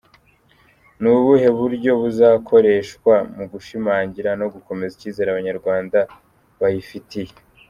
Ni ubuhe buryo buzakoreshwa mu gushimangira no gukomeza icyizere abanyarwanda bayifitiye?”